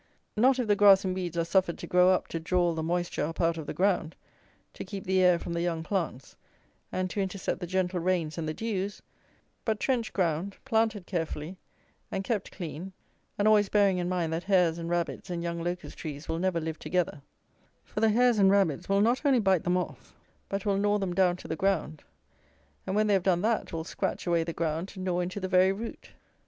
Not if the grass and weeds are suffered to grow up to draw all the moisture up out of the ground, to keep the air from the young plants, and to intercept the gentle rains and the dews; but trenched ground, planted carefully, and kept clean; and always bearing in mind that hares and rabbits and young locust trees will never live together; for the hares and rabbits will not only bite them off, but will gnaw them down to the ground, and, when they have done that, will scratch away the ground to gnaw into the very root.